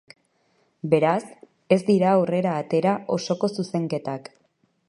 Beraz, ez dira aurrera atera osoko zuzenketak.